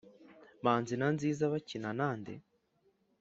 manzi na nziza bakina na nde?